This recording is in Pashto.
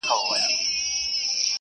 رښتیا ویل د هر چا حق دی.